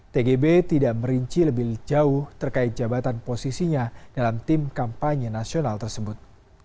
tgb tidak merinci lebih jauh terkait jabatan posisinya dalam tim kampanye nasional tersebut